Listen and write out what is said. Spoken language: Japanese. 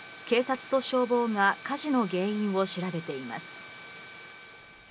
警察と消防が火事の原因を調べています。